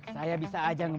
saya coba mencegah